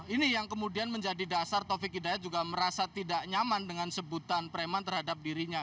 ini yang kemudian menjadi dasar taufik hidayat juga merasa tidak nyaman dengan sebutan preman terhadap dirinya